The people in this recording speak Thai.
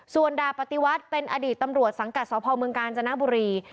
ส่วนดาบปฏิวัติเป็นอดีตตำรวจสังกัดสพเมืองกาญจนบุรี